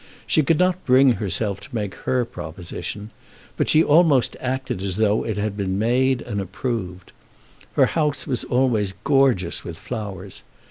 She could not bring herself to make her proposition; but she almost acted as though it had been made and approved. Her house was always gorgeous with flowers.